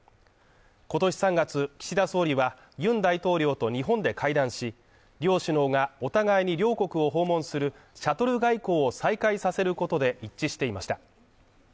今年３月岸田総理はユン大統領と日本で会談し、両首脳がお互いに両国を訪問するシャトル外交を再開させることで一致していました。